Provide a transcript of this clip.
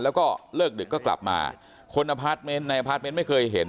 แล้วก็เลิกดึกก็กลับมาคนอพาร์ทเมนต์ในอพาร์ทเมนต์ไม่เคยเห็น